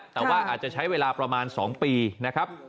แต่ว่าอาจจะใช้เวลาประมาณ๒ปีนะครับ